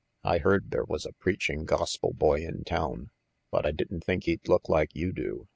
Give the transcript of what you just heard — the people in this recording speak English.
I heard there was a preaching gospel boy in town, but I didn't think he'd look like you do.